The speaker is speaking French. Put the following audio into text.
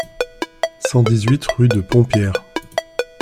cent dix-huit rue de Pont Pierre